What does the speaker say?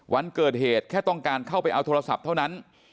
วันเกิดเหตุแค่ต้องการเข้าไปเอาโทรศัพท์เท่านั้น